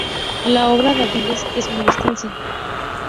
La obra de Davies es muy extensa.